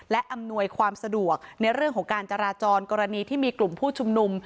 และอำนวยความสะดวกในเรื่องของการจราจรกรณีที่มีกลุ่มผู้ชุมนุม